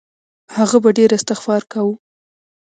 هغه به ډېر استغفار کاوه.